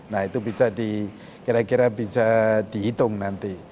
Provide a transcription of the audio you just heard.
nah itu bisa dikira kira bisa dihitung nanti